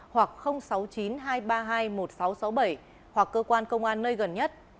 hoặc sáu mươi chín hai trăm ba mươi hai một nghìn sáu trăm sáu mươi bảy hoặc cơ quan công an nơi gần nhất